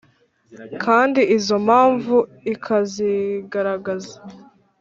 Kandi izo mpamvu ikazigaragaza